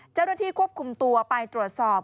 เจ้าหน้าที่ควบคุมตัวไปตรวจสอบ